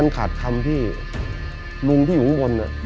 และเห็นรอก